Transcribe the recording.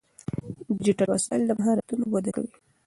ډیجیټل وسایل د مهارتونو وده کوي.